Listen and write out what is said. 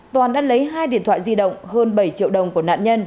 toàn đã lấy hai điện thoại di động hơn bảy triệu đồng của nạn nhân